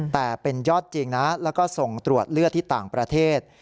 แต่เป็นยอดจริงนะแล้วก็ส่งตรวจเลือดที่ต่างประเทศ